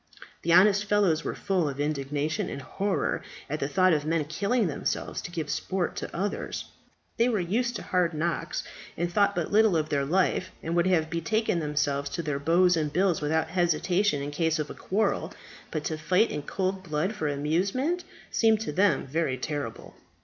The honest fellows were full of indignation and horror at the thought of men killing themselves to give sport to others. They were used to hard knocks, and thought but little of their life, and would have betaken themselves to their bows and bills without hesitation in case of a quarrel. But to fight in cold blood for amusement seemed to them very terrible.